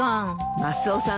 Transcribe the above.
マスオさん